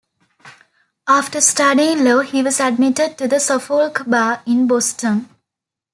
After studying law, he was admitted to the Suffolk Bar in Boston.